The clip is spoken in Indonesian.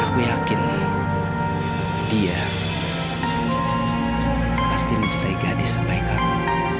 aku yakin nih dia pasti mencintai gadis sebaik kamu